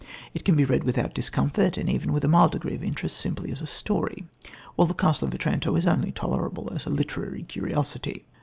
It can be read without discomfort and even with a mild degree of interest simply as a story, while The Castle of Otranto is only tolerable as a literary curiosity.